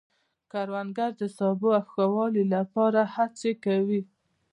کروندګر د سبو د ښه والي لپاره هڅې کوي